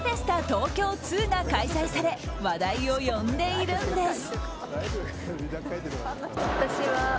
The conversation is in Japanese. Ｄ’ＦＥＳＴＡＴＯＫＹＯ２が開催され話題を呼んでいるんです。